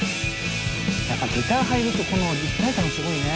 やっぱギター入るとこの一体感がすごいね。